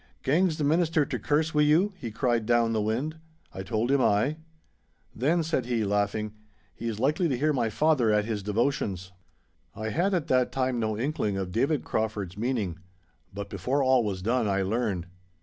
'Gangs the Minister to Kerse wi' you?' he cried down the wind. I told him ay. 'Then,' said he, laughing, 'he is likely to hear my father at his devotions.' I had at that time no inkling of David Crauford's meaning, but before all was done I learned.